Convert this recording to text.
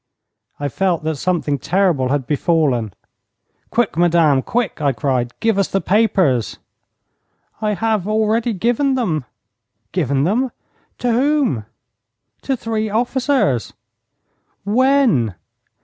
I felt that something terrible had befallen. 'Quick, madame, quick!' I cried. 'Give us the papers!' 'I have already given them.' 'Given them! To whom?' 'To three officers.' 'When?'